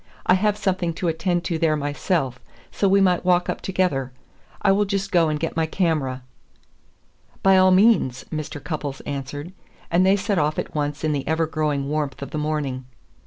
I have something to attend to there myself, so we might walk up together. I will just go and get my camera." "By all means," Mr. Cupples answered; and they set off at once in the ever growing warmth of the morning.